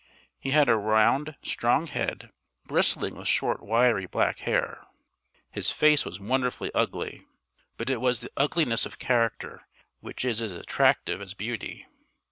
He had a round strong head, bristling with short wiry black hair. His face was wonderfully ugly, but it was the ugliness of character, which is as attractive as beauty.